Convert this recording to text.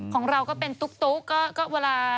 ของเราก็เป็นตุ๊กก็เวลา